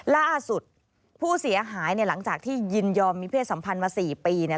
ล่าสุดผู้เสียหายเนี่ยหลังจากที่ยินยอมมีเพศสัมพันธ์มา๔ปีเนี่ย